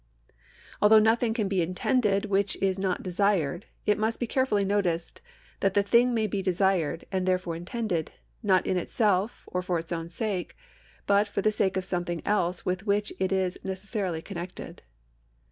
Although nothing can be intended which is not desired, it must be carefully noticed that a thing may be desired, and therefore intended, not in itself or for its own sake, but for the sake of something else with which it is necessarily connected.